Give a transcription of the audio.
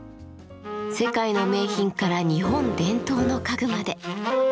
世界の名品から日本伝統の家具まで。